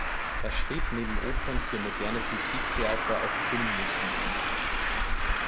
Er schrieb neben Opern für modernes Musiktheater auch Filmmusiken.